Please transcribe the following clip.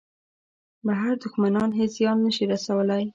بهر دوښمنان هېڅ زیان نه شي رسولای.